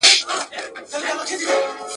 زما پر ښکلي اشنا وایه په ګېډیو سلامونه.